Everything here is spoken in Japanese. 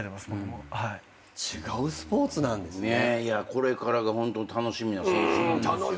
これからがホントに楽しみな選手なんですよ。